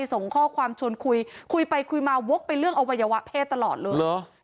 ส่งข้อความชวนคุยคุยไปคุยมาวกไปเรื่องอวัยวะเพศตลอดเลยเหรอ